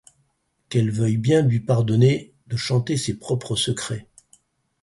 Qu'elle veuille bien lui pardonner de chanter ses propres secrets.